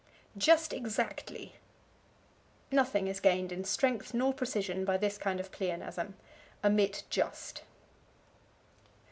Just Exactly. Nothing is gained in strength nor precision by this kind of pleonasm. Omit just.